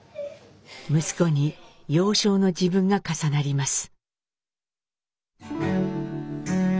息子に幼少の自分が重なります。